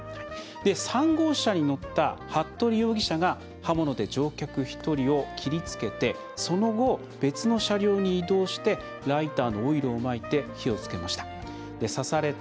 ３号車に乗った服部容疑者が刃物で乗客１人を切りつけてその後、別の車両に移動してライターのオイルをまいて火をつけました。